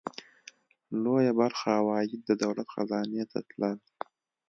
لویه برخه عواید د دولت خزانې ته تلل.